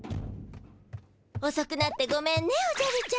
おそくなってごめんねおじゃるちゃん。